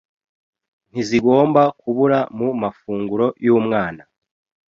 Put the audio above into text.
ntizigomba kubura mu mafunguro y’umwana